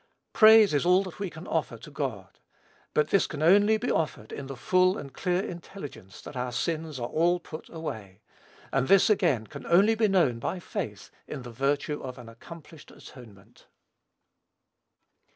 Praise is all that we can offer to God; but this can only be offered in the full and clear intelligence that our sins are all put away; and this again can only be known by faith in the virtue of an accomplished atonement.